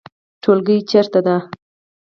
ټولګی چیرته ده؟